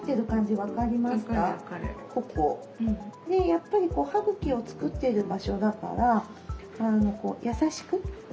やっぱり歯茎を作ってる場所だからやさしく。